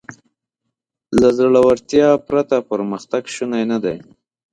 له زړهورتیا پرته پرمختګ شونی نهدی.